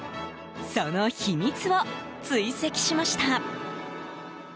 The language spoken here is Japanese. その秘密を追跡しました。